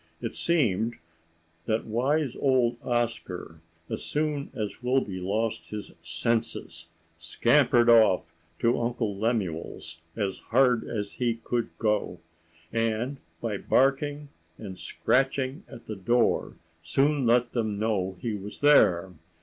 It seemed that wise old Oscar, as soon as Wilby lost his senses, scampered off to Uncle Lemuel's as hard as he could go, and by barking and scratching at the door soon let them know he was there.